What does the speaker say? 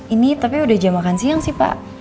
ini tapi udah jam makan siang sih pak